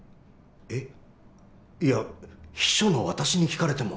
えっいや秘書の私に聞かれても。